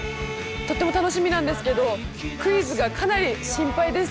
とっても楽しみなんですけどクイズがかなり心配です。